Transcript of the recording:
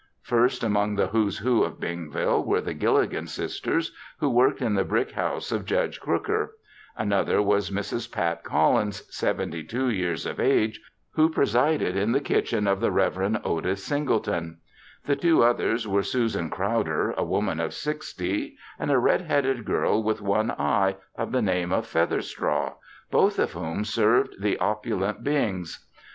First, among the Who's Who of Bingville, were the Gilligan sisters who worked in the big brick house of Judge Crooker; another was Mrs. Pat Collins, seventy two years of age, who presided in the kitchen of the Reverend Otis Singleton; the two others were Susan Crowder, a woman of sixty, and a red headed girl with one eye, of the name of Featherstraw, both of whom served the opulent Bings.